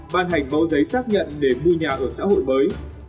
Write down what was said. ba ban hành báo giấy xác nhận để mua nhà ở xã hội mới